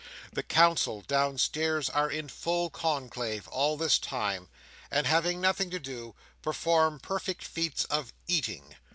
The council downstairs are in full conclave all this time, and, having nothing to do, perform perfect feats of eating.